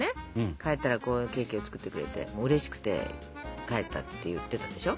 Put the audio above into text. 帰ったらこういうケーキを作ってくれてうれしくて帰ったって言ってたでしょ？